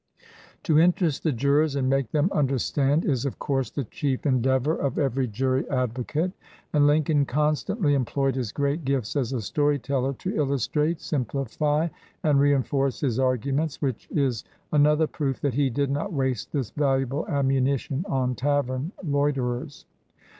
To interest the jurors and make them under stand is, of course, the chief endeavor of every 216 THE JURY LAWYER jury advocate, and Lincoln constantly employed his great gifts as a story teller to illustrate, sim plify, and reinforce his arguments, which is an other proof that he did not waste this valuable ammunition on tavern loiterers.